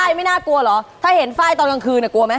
ไม่น่ากลัวเหรอถ้าเห็นไฟล์ตอนกลางคืนกลัวไหม